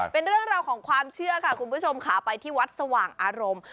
เป็นเรื่องราวของความเชื่อค่ะคุณผู้ชมค่ะไปที่วัดสว่างอารมณ์